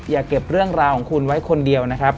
อย่าเก็บเรื่องราวของคุณไว้คนเดียวนะครับ